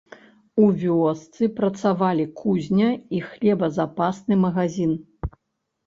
У вёсцы працавалі кузня і хлебазапасны магазін.